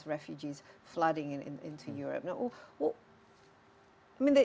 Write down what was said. hal yang benar adalah